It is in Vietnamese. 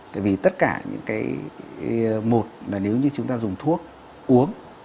tại vì tất cả những cái một là nếu như chúng ta dùng thuốc uống